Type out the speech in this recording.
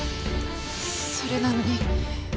それなのに。